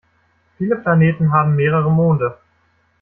Viele Planeten haben mehrere Monde.